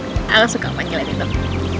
apa yang kamu suka panggilnya gitu